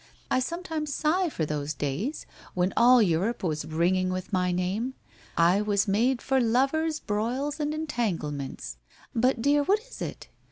I sometimes sigh for those days, when all Europe was ringing with my name. I was made for lovers broils and entanglements. But dear, what is it?